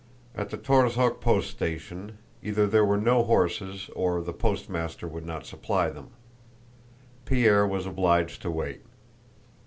At the Torzhók post station, either there were no horses or the postmaster would not supply them. Pierre was obliged to wait.